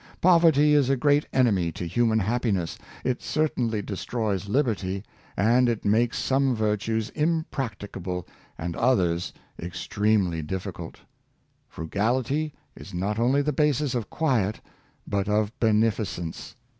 Pov erty is a great enemy to human happiness; it certainly destroys liberty, and it makes some virtues impractica ble and others extremely difficult. Frugality is not only the basis of quiet, but of beneficience.